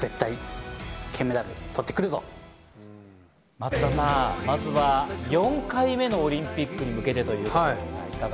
松田さん、まずは４回目のオリンピックに向けてということですが。